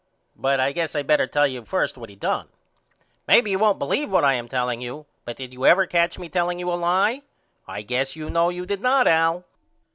But I guess I better tell you first what he done. Maybe you won't believe what I am telling you but did you ever catch me telling you a lie? I guess you know you did not Al.